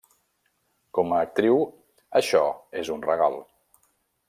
Com a actriu, això és un regal.